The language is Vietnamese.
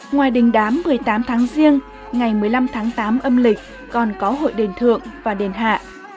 ngoài đình đám một mươi tám tháng riêng ngày một mươi năm tháng tám âm lịch còn có hội đền thượng và đền hạ